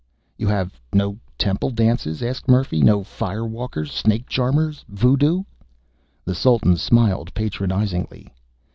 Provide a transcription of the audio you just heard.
"You have no temple dances?" asked Murphy. "No fire walkers, snake charmers voodoo?" The Sultan smiled patronizingly.